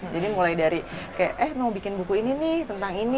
jadi mulai dari kayak eh mau bikin buku ini nih tentang ini